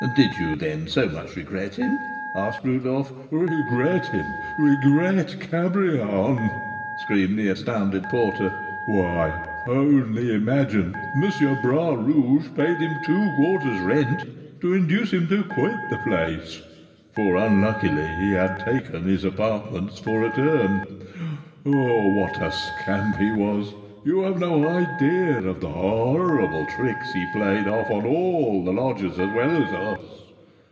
"Did you, then, so much regret him?" asked Rodolph. "Regret him! Regret Cabrion!" screamed the astounded porter; "why, only imagine, M. Bras Rouge paid him two quarters' rent to induce him to quit the place, for, unluckily, he had taken his apartments for a term. What a scamp he was! You have no idea of the horrible tricks he played off upon all the lodgers as well as us.